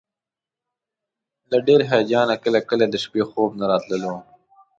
له ډېر هیجانه کله کله د شپې خوب نه راتللو.